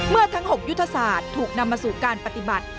ทั้ง๖ยุทธศาสตร์ถูกนำมาสู่การปฏิบัติ